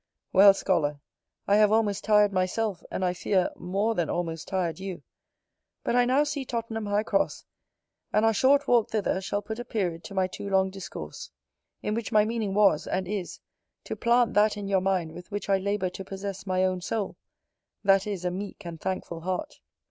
Well, Scholar, I have almost tired myself, and, I fear, more than almost tired you. But I now see Tottenham High Cross; and our short walk thither shall put a period to my too long discourse; in which my meaning was, and is, to plant that in your mind with which I labour to possess my own soul; that is, a meek and thankful heart.